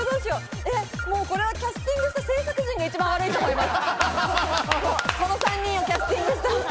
これはキャスティングした制作陣が一番悪いと思います。